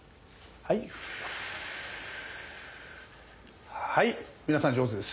はい皆さん上手です！